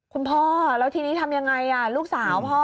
คุณพ่อแล้วทีนี้ทำยังไงลูกสาวพ่อ